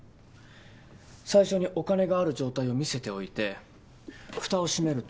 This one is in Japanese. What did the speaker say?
最初にお金がある状態を見せておいて蓋を閉めると。